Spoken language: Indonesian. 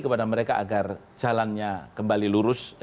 kepada mereka agar jalannya kembali lurus